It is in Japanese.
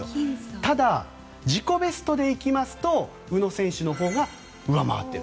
ただ、自己ベストで行きますと宇野選手のほうが上回っている。